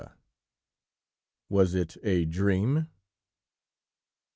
WAS IT A DREAM?